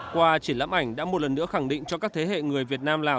qua triển lãm ảnh đã một lần nữa khẳng định cho các thế hệ người việt nam lào